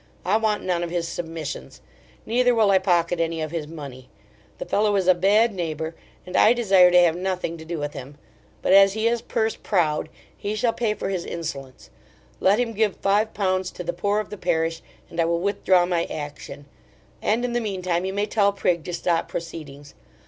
I want none of his submissions, neither will I pocket any of his money. The fellow is a bad neighbour, and I desire, to have nothing to do with him: but as he is purse proud, he shall pay for his insolence: let him give five pounds to the poor of the parish, and I will withdraw my action; and in the mean time you may tell Prig to stop proceedings.